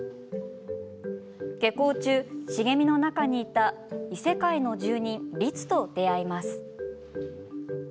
下校中、茂みの中にいた異世界の住人、リツと出会います。